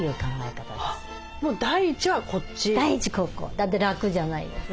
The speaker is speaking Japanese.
だって楽じゃないですか。